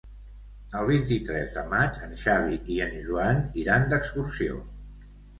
El vint-i-tres de maig en Xavi i en Joan iran d'excursió.